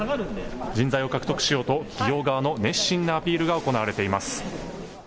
人材を獲得しようと企業側の熱心なアピールが行われています。